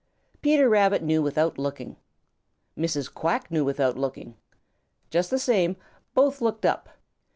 Peter Rabbit knew without looking. Mrs. Quack knew without looking. Just the same, both looked up.